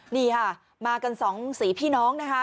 นี่ค่ะมากันสองสีพี่น้องนะคะ